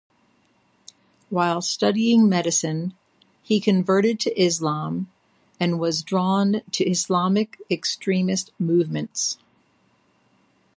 While studying medicine he converted to Islam and was drawn to Islamic extremist movements.